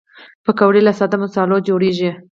پکورې له ساده مصالحو جوړېږي